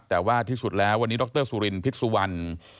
แต่ว่าที่สุดแล้ววันนี้ดรสุรินพิษสุวรรณ